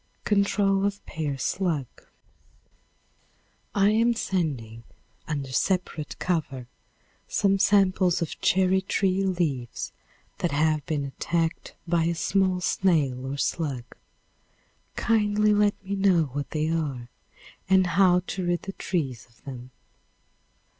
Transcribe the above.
Control of Pear Slug. I am sending, under separate cover, some samples of cherry tree leaves that have been attacked by a small snail or slug. Kindly let me know what they are, and how to rid the trees of them.